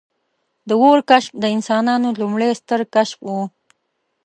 • د اور کشف د انسانانو لومړنی ستر کشف و.